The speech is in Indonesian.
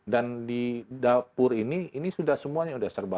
dan di dapur ini ini sudah semuanya sudah serba